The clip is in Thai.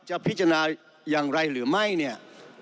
จะพิจารณาอย่างไรหรือไม่เนี่ย